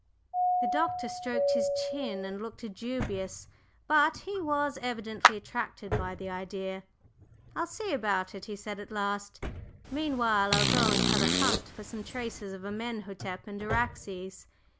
The Doctor stroked his chin and looked dubious, but he was evidently attracted by the idea. "I'll see about it," he said at last. "Meanwhile I'll go and have a hunt for some traces of Amenhotep and Araxes."